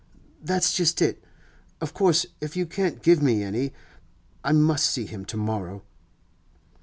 'That's just it. Of course if you can't give me any, I must see him to morrow.